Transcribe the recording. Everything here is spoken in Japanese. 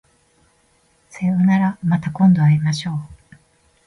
さようならまた今度会いましょう